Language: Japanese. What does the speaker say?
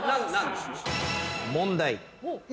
問題。